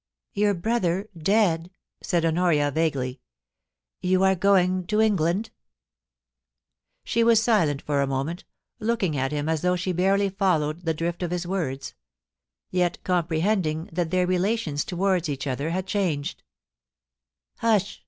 ' Your brother dead,' said Honoria, vaguely. ' You are going to England' She was silent for a moment, looking at him as though she barely followed the drift of his words ; yet comprehend ing that their relations towards each other had changed ' Hush